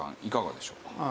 いかがでしょうか？